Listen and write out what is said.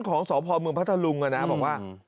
ของสหพาลเมืองพัทธรุงนะบอกว่า